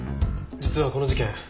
実はこの事件